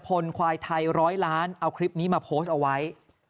ควายไทยร้อยล้านเอาคลิปนี้มาโพสต์เอาไว้